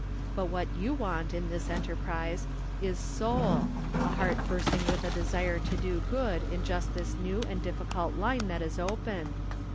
But vhat you want, in this enterprise, is soul — a heart bursting with a desire to do good in just this new and difficult line that is open.